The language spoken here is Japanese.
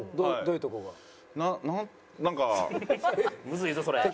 むずいぞそれ。